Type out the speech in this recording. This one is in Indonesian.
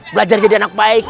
belajar jadi anak baik